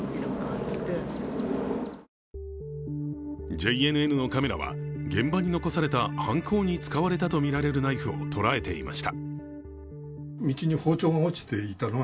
ＪＮＮのカメラは、現場に残された犯行に使われたとみられるナイフを捉えていました。